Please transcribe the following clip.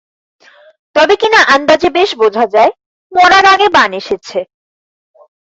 তবে কিনা আন্দাজে বেশ বোঝা যায়, মরা গাঙে বান এসেছে।